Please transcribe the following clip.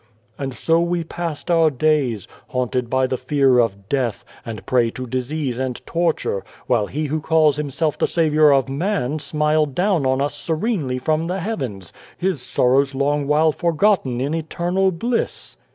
" And so we passed our days haunted by the fear of death, and prey to disease and torture, while He who calls Himself the Saviour of man smiled down on us serenely from the heavens, His sorrows long while forgotten in eternal bliss."